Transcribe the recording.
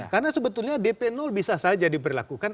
karena sebetulnya dp bisa saja diberlakukan